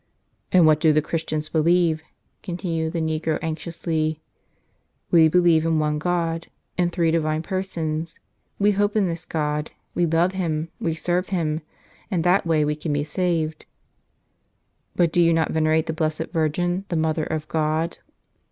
"And what do the Christians believe?" continued the negro anxiously. "We believe in one God in three divine Persons; we hope in this God; we love Him; we serve Him. In that way we can be saved." "But do you not venerate the Blessed Virgin, the Mother of God?"